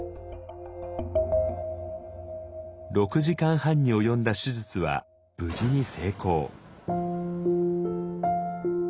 ６時間半に及んだ手術は無事に成功。